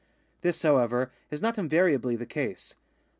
This, however, is not invariably the case.